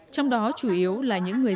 trong đó chủ yếu là những người